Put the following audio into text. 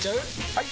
・はい！